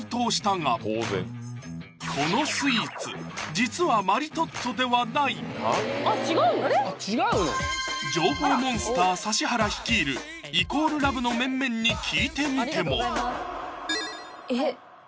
実は情報モンスター・指原率いる「＝ＬＯＶＥ」の面々に聞いてみてもえっ？